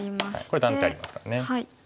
これ断点ありますからね。